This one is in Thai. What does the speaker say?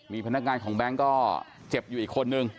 มีพนักงานของแบงค์ก็เจ็บอยู่อีกคนนึง